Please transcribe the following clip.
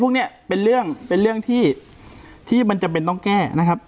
พวกนี้เป็นเรื่องเป็นเรื่องที่ที่มันจำเป็นต้องแก้นะครับ